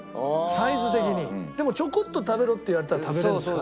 でもちょこっと食べろって言われたら食べれるんですか？